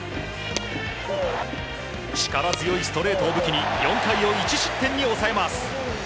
力強いストレートを武器に４回を１失点に抑えます。